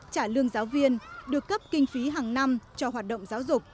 trả lương giáo viên được cấp kinh phí hàng năm cho hoạt động giáo dục